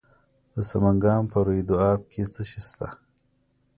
د سمنګان په روی دو اب کې څه شی شته؟